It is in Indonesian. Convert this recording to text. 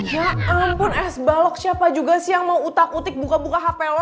ya ampun es balok siapa juga sih yang mau utak utik buka buka hplo